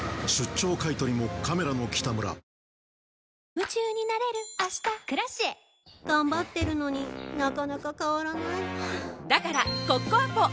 夢中になれる明日「Ｋｒａｃｉｅ」頑張ってるのになかなか変わらないはぁだからコッコアポ！